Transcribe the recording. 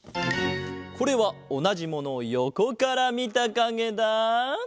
これはおなじものをよこからみたかげだ。